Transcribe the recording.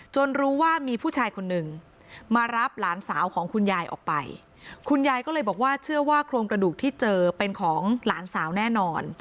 รู้ว่ามีผู้ชายคนหนึ่งมารับหลานสาวของคุณยายออกไปคุณยายก็เลยบอกว่าเชื่อว่าโครงกระดูกที่เจอเป็นของหลานสาวแน่นอน